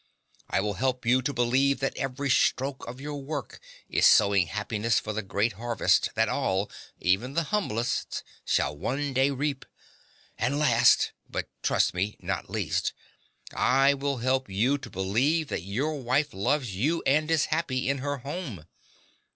I will help you to believe that every stroke of your work is sowing happiness for the great harvest that all even the humblest shall one day reap. And last, but trust me, not least, I will help you to believe that your wife loves you and is happy in her home.